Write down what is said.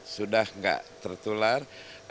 sudah enggak tertular